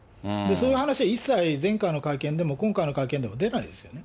そういう話は一切、前回の会見でも、今回の会見でも出ないですよね。